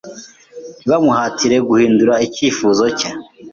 ntibamuhatire guhindura icyifuzo cye.